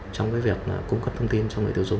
trong cái việc cung cấp thông tin cho người tiêu dùng